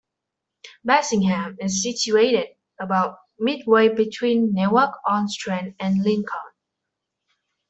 Bassingham is situated about midway between Newark-on-Trent and Lincoln.